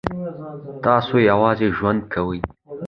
تاسو یوازې ژوند کوئ؟